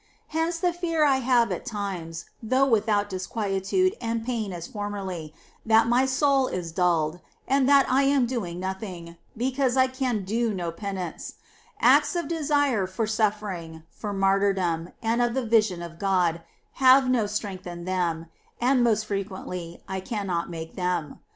Hence the fear I have at times, though without disquietude and pain as formerly, that my soul is dulled, and that I am doing nothing, because I can do no penance ; acts of desire for suflPering, for martyrdom, and of the vision of God, have no strength in them, and, most frequently, I cannot make them.